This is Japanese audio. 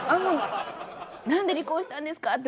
何で離婚したんですか？